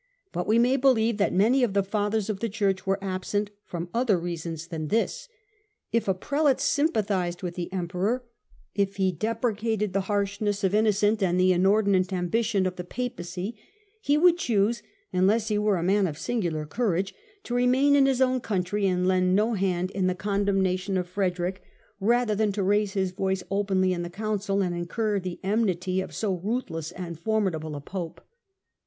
But'we may believe, that many of the Fathers of the Church were absent from other reasons than this. If a Prelate sympathised with the Emperor, if he deprecated THE COUNCIL OF LYONS 225 the harshness of Innocent and the inordinate ambi tion of the Papacy, he would choose, unless he were a man of singular courage, to remain in his own country and lend no hand in the condemnation of Frederick rather than to raise his voice openly in the Council and incur the enmity of so ruthless and formidable a Pope.